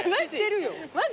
マジ？